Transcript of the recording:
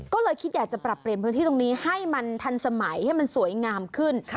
ก็เลยคิดอยากจะปรับเปลี่ยนพื้นที่ตรงนี้ให้มันทันสมัยให้มันสวยงามขึ้น